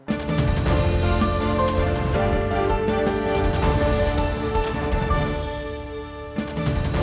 masyarakat itu juga harus dianggap sebagai perempuan yang lebih baik